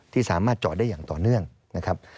ที่สามารถจอดได้อย่างต่อเนื่องนะครับ